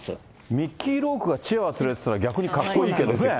ミッキー・ロークがチワワ連れてたら逆にかっこいいけどね。